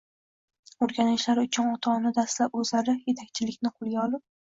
o‘rganishlari uchun ota-ona dastlab o‘zlari yetakchilikni qo‘lga olib